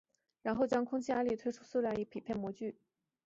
然后将空气压力推出塑料以匹配模具。